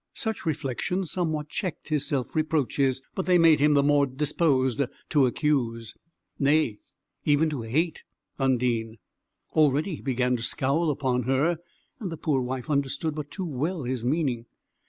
Such reflections somewhat checked his self reproaches; but they made him the more disposed to accuse, nay, even to hate Undine. Already he began to scowl upon her, and the poor wife understood but too well his meaning.